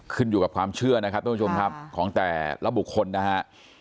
ขึ้นอยู่กับความเชื่อนะครับทุกผู้ชมครับของแต่ละบุคคลนะฮะ